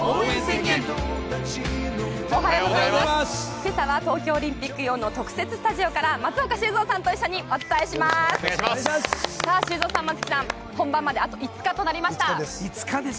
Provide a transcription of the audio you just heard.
今朝は東京オリンピック用の特設スタジオから松岡修造さんと一緒にお伝えします。